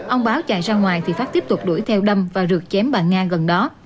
ông báo chạy ra ngoài thì pháp tiếp tục đuổi theo đâm và rượt chém bà nga gần đó